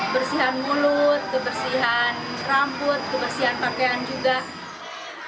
bersihan mulut kebersihan rambut kebersihan pakaian juga